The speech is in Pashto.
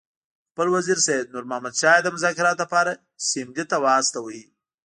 خپل وزیر سید نور محمد شاه یې د مذاکراتو لپاره سیملې ته واستاوه.